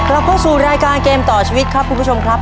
เราเข้าสู่รายการเกมต่อชีวิตครับคุณผู้ชมครับ